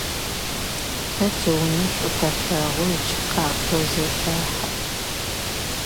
Тэ тиунэ шӏу тэлъэгъу ыкӏи къабзэу зетэхьэ.